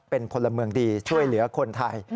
เป็นพลเมืองดีช่วยเหลือคนไทย